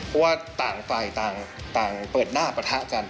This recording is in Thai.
เพราะว่าต่างฝ่ายต่างเปิดหน้าปะทะกัน